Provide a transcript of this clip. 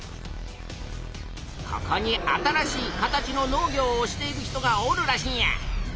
ここに新しい形の農業をしている人がおるらしいんや。